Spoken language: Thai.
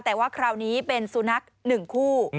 แต่ว่าคราวนี้เป็นสุนัข๑คู่